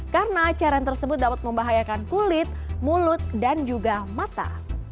karena cairan tersebut dapat membahayakan kulit mulut dan juga mata